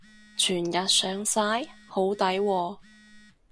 全日上晒？好抵喎